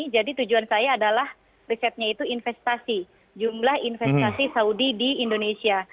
jadi tujuan saya adalah risetnya itu investasi jumlah investasi saudi di indonesia